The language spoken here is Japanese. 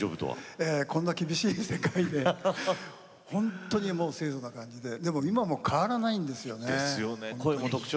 こんな厳しい世界で本当に清そな感じで今も変わらないんです。